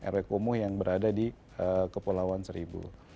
rw kumuh yang berada di kepulauan seribu